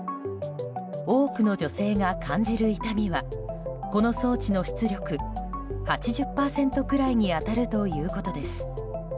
多くの女性が感じる痛みはこの装置の出力８０％くらいに当たるということです。